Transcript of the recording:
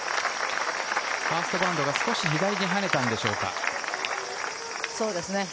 ファーストバウンドが少し左に跳ねたんでしょうか。